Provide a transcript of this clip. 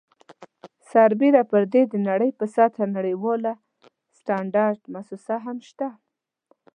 سربیره پر دې د نړۍ په سطحه نړیواله سټنډرډ مؤسسه هم شته.